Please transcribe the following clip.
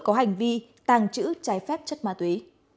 có hành vi tàng trữ trái phép chất ma túy